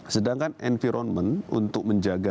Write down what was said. sedangkan environment untuk menjaga